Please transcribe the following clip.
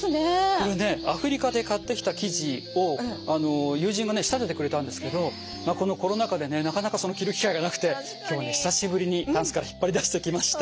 これねアフリカで買ってきた生地を友人がね仕立ててくれたんですけどこのコロナ禍でねなかなか着る機会がなくて今日ね久しぶりにタンスから引っ張り出してきました。